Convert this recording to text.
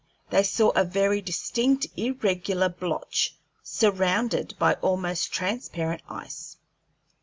They saw a very distinct, irregular blotch, surrounded by almost transparent ice.